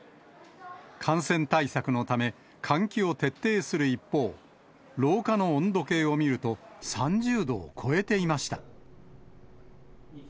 感染対策のため、換気を徹底する一方、廊下の温度計を見ると、３０度を超えていました。